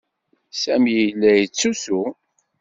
Sami yella yettusu.